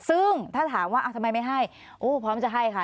ซึ่งถ้าถามว่าทำไมไม่ให้โอ้พร้อมจะให้ค่ะ